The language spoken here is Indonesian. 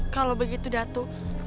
kalau begitu dato